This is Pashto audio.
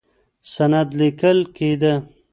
سند لیکل کېده.